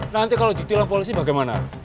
nanti kalau ditilang polisi bagaimana